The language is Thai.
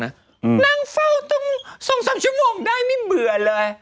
นางเฝ้าตรง๒๓ชมได้ไม่เบื่อเลย